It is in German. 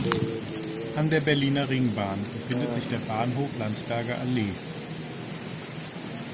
An der Berliner Ringbahn befindet sich der Bahnhof Landsberger Allee.